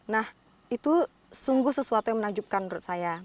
nah itu sungguh sesuatu yang menakjubkan menurut saya